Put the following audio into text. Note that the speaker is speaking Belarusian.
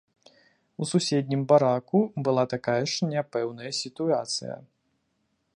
У суседнім бараку была такая ж няпэўная сітуацыя.